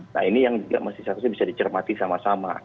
nah ini yang juga masih seharusnya bisa dicermati sama sama